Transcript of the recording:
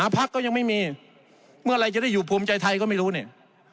พักก็ยังไม่มีเมื่อไหร่จะได้อยู่ภูมิใจไทยก็ไม่รู้เนี่ย